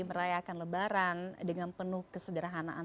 merayakan lebaran dengan penuh kesederhanaan